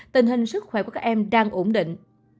tình hình sức khỏe của các em đang ổn định